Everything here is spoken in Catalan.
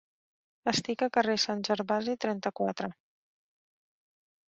Estic a Carrer Sant Gervasi trenta-quatre.